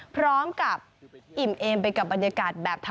พร้อมกับ